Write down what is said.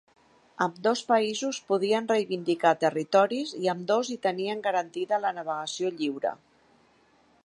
Ambdós països podien reivindicar territoris i ambdós hi tenien garantida la navegació lliure.